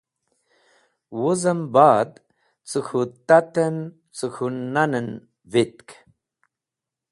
Wuzem ba’d cẽ k̃hũ tat en, cẽ k̃hũ nan en vitk.